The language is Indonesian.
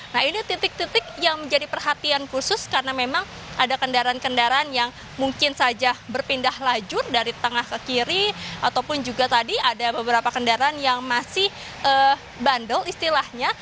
nah ini titik titik yang menjadi perhatian khusus karena memang ada kendaraan kendaraan yang mungkin saja berpindah lajur dari tengah ke kiri ataupun juga tadi ada beberapa kendaraan yang masih bandel istilahnya